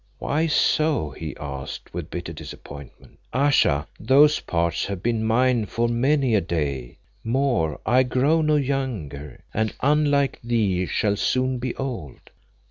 "Why so?" he asked, with bitter disappointment. "Ayesha, those parts have been mine for many a day; more, I grow no younger, and, unlike thee, shall soon be old.